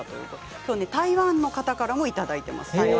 今日は台湾の方からもいただいています。